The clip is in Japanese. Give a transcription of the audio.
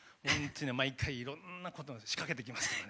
毎回いろんなことを仕掛けてきますからね。